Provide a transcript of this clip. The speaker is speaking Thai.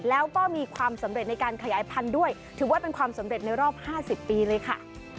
แล้วก็มีความสำเร็จในการขยายพันธุ์ด้วยถือว่าเป็นความสำเร็จในรอบ๕๐ปีเลยค่ะ